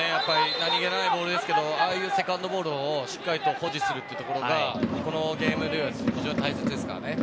何気ないボールですけどああいうセカンドボールをしっかり保持するところがこのゲームディフェンス非常に大切ですからね。